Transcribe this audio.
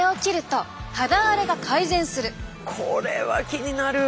これは気になる。